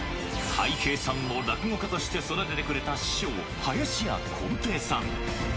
たい平さんを落語家として育ててくれた師匠、林家こん平さん。